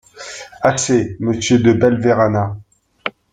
Assez, Monsieur De Belverana.